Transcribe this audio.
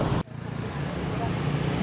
ngăn chặn nạn đô xe